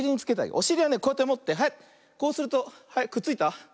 おしりはねこうやってもってはいこうするとくっついた。ね。